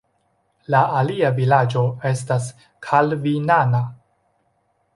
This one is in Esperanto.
La alia vilaĝo estas kalvinana.